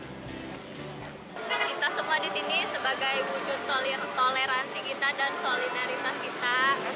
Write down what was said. kita semua di sini sebagai wujud toleransi kita dan solidaritas kita